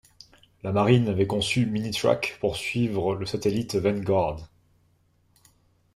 La marine avait conçu Minitrack pour suivre le satellite Vanguard.